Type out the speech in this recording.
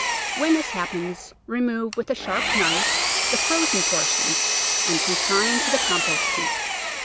When this happens remove, with a sharp knife, the frozen portions, and consign to the compost heap.